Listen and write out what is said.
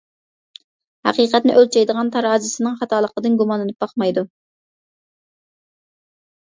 ھەقىقەتنى ئۆلچەيدىغان تارازىسىنىڭ خاتالىقىدىن گۇمانلىنىپ باقمايدۇ.